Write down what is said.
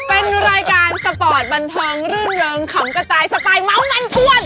เป็นรายการสปอร์ตบันเทิงรื่นเริงขำกระจายสไตล์เมาส์มันถ้วน